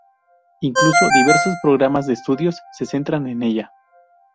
Incluso diversos programas de estudios se centran en ella.